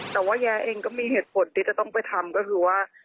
แต่ว่าแย้เองก็มีเหตุผลที่จะต้องไปทำก็คือว่า